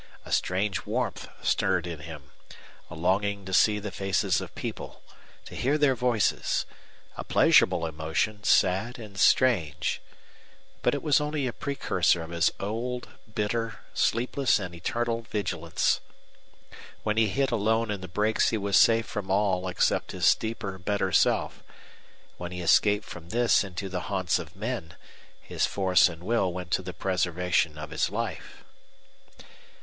A strange warmth stirred in him a longing to see the faces of people, to hear their voices a pleasurable emotion sad and strange. But it was only a precursor of his old bitter, sleepless, and eternal vigilance. When he hid alone in the brakes he was safe from all except his deeper, better self; when he escaped from this into the haunts of men his force and will went to the preservation of his life.